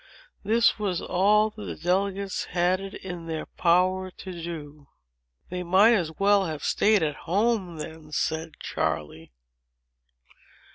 This was all that the delegates had it in their power to do." "They might as well have staid at home, then," said Charley.